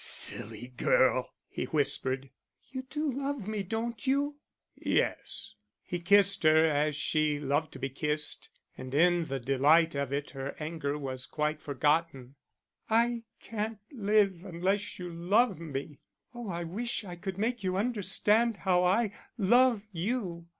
"Silly girl!" he whispered. "You do love me, don't you?" "Yes." He kissed her as she loved to be kissed, and in the delight of it her anger was quite forgotten. "I can't live unless you love me. Oh, I wish I could make you understand how I love you....